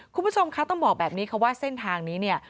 คุณผู้ชมคะต้องบอกแบบนี้ค่ะว่าเส้นทางนี้เนี่ย